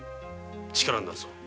力になるぞ。